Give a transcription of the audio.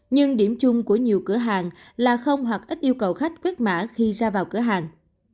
nhưng điểm chung của nhiều cửa hàng là không hoặc ít yêu cầu khách quất mã khi ra vào cửa hàng